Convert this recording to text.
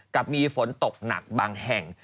กับมีฝนตกหนักบางแห่ง